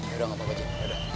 yaudah gak apa apa